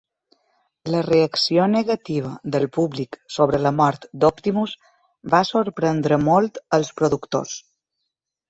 La reacció negativa del públic sobre la mort d'Optimus va sorprendre molt els productors.